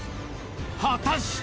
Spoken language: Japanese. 果たして？